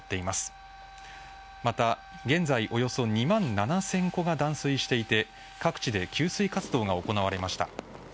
また現在、およそ２万７０００戸が断水していて各地で給水活動が行われました。